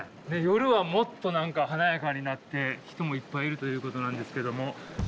夜はもっと何か華やかになって人もいっぱいいるということなんですけども。